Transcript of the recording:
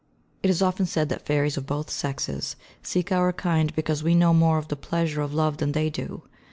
It is often said that fairies of both sexes seek our kind because we know more of the pleasure of love than they do.